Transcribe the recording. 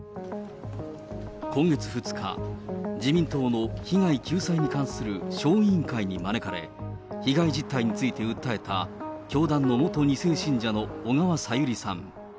今月２日、自民党の被害救済に関する小委員会に招かれ、被害実態について訴えた教団の元２世信者の小川さゆりさん。